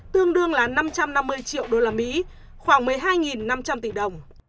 tương đương là năm trăm năm mươi triệu đô la mỹ khoảng một mươi hai năm trăm linh tỷ đồng